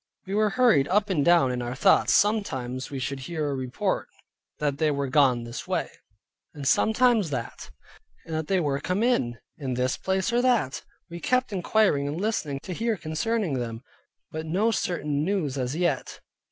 We were hurried up and down in our thoughts, sometime we should hear a report that they were gone this way, and sometimes that; and that they were come in, in this place or that. We kept inquiring and listening to hear concerning them, but no certain news as yet.